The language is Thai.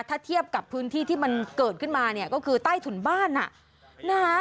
ถ้าเทียบกับพื้นที่ที่มันเกิดขึ้นมาเนี่ยก็คือใต้ถุนบ้านอ่ะนะฮะ